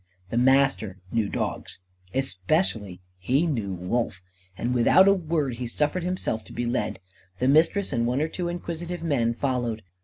The Master knew dogs. Especially he knew Wolf. And without a word he suffered himself to be led. The Mistress and one or two inquisitive men followed.